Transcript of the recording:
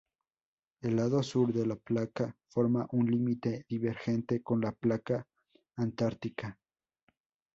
El lado Sur de la placa forma un límite divergente con la placa antártica.